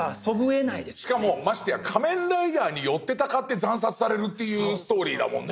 しかもましてや仮面ライダーによってたかって惨殺されるというストーリーだもんね。